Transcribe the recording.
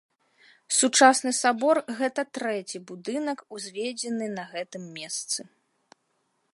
Сучасны сабор гэта трэці будынак, узведзены на гэтым месцы.